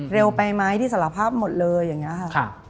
เร็วไปไหมที่สารภาพหมดเลยอย่างนี้ค่ะ